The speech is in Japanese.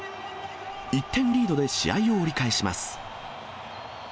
１点リードで試合を折り返します。